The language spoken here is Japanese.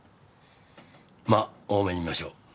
ま大目に見ましょう。